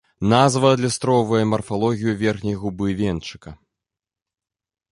Назва адлюстроўвае марфалогію верхняй губы венчыка.